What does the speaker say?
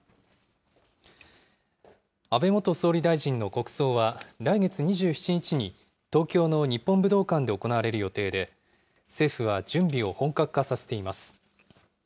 安倍元総理大臣の国葬は来月２７日に、東京の日本武道館で行われる予定で、政府は準備を本格化させています。